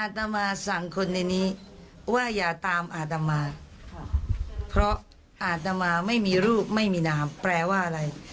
ตมาสั่งคนในนี้ว่าอย่าตามอาตมาเพราะอาตมาไม่มีรูปไม่มีน้ำแปลว่าอะไร